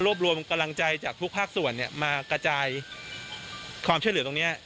รวมรวมกำลังใจจากทุกภาคส่วนมากระจายความช่วยเหลือตรงนี้